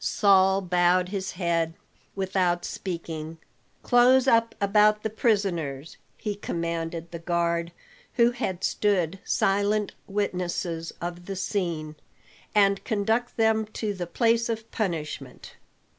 Saul bowed his head without speaking. "Close up about the prisoners," he commanded the guard, who had stood silent witnesses of the scene, "and conduct them to the place of punishment."